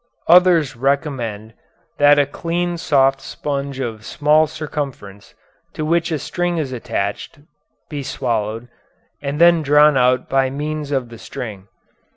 Others recommend that a clean soft sponge of small circumference to which a string is attached be swallowed, and then drawn out by means of the string.